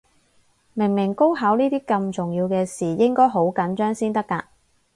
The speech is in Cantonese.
明明高考呢啲咁重要嘅事，應該好緊張先得㗎